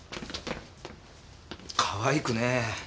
かわいくねえ。